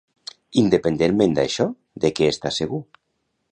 Independentment d'això, de què està segur?